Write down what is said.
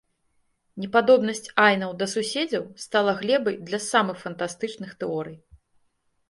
Непадобнасць айнаў да суседзяў стала глебай для самых фантастычных тэорый.